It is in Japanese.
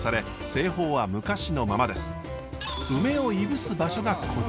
梅をいぶす場所がこちら。